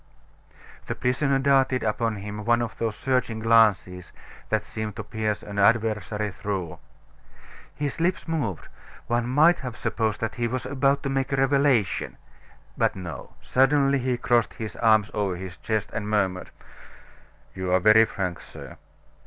The prisoner darted upon him one of those searching glances that seem to pierce an adversary through. His lips moved; one might have supposed that he was about to make a revelation. But no; suddenly he crossed his arms over his chest, and murmured: "You are very frank, sir.